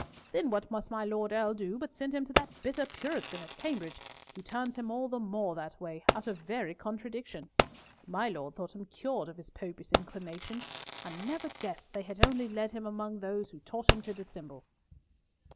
Then what must my Lord Earl do but send him to that bitter Puritan at Cambridge, who turned him all the more that way, out of very contradiction. My Lord thought him cured of his Popish inclinations, and never guessed they had only led him among those who taught him to dissemble."